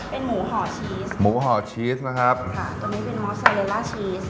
เป็นหมูห่อชีสค่ะหมูห่อชีสนะครับค่ะตัวนี้เป็นมอสไซเลล่าชีส